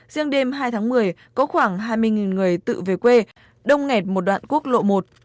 riêng đêm hai tháng một mươi có khoảng hai mươi người tự về quê đông nghẹt một đoạn quốc lộ một